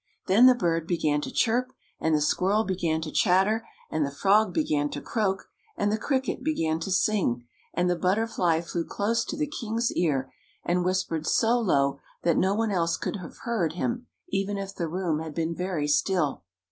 Then the bird began to chirp, and the squirrel began to chatter, and the frog began to croak, and the cricket began to sing, and the butterfly flew close to the king's ear and whispered so low that no one else could have heard him, even if the room had been very still.